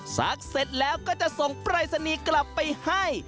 เสร็จแล้วก็จะส่งปรายศนีย์กลับไปให้